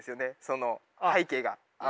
その背景が。